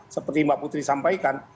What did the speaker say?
seperti mbak putri sampaikan